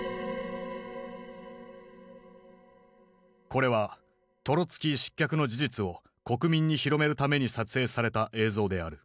これはトロツキー失脚の事実を国民に広めるために撮影された映像である。